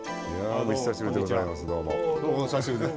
お久しぶりです。